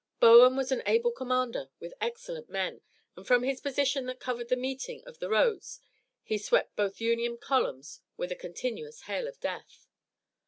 Bowen was an able commander with excellent men, and from his position that covered the meeting of the roads he swept both Union columns with a continuous hail of death.